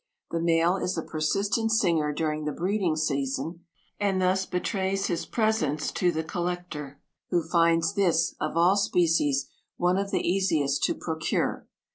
The male is a persistent singer during the breeding season, and thus betrays his presence to the collector, who finds this, of all species, one of the easiest to procure.